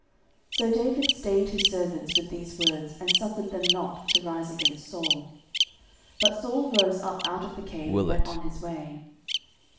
09:024:007 So David stayed his servants with these words, and suffered them not to rise against Saul. But Saul rose up out of the cave, and went on his way.